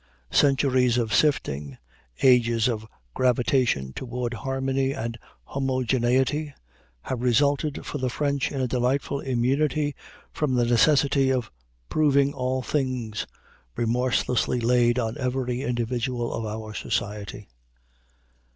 Centuries of sifting, ages of gravitation toward harmony and homogeneity, have resulted for the French in a delightful immunity from the necessity of "proving all things" remorselessly laid on every individual of our society.